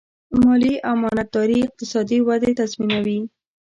مالي امانتداري اقتصادي ودې تضمینوي.